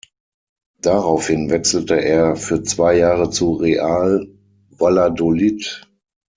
Daraufhin wechselte er für zwei Jahre zu Real Valladolid.